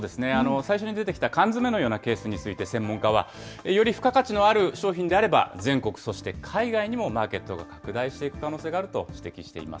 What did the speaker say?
最初に出てきた缶詰のようなケースについて、専門家は、より付加価値のある商品であれば、全国、そして海外にもマーケットが拡大していく可能性があると指摘しています。